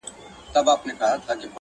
• زموږ له ډلي اولادونه ځي ورکیږي -